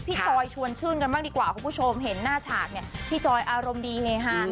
จอยชวนชื่นกันบ้างดีกว่าคุณผู้ชมเห็นหน้าฉากเนี่ยพี่จอยอารมณ์ดีเฮฮา